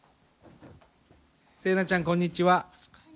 セイナちゃんこんにちは。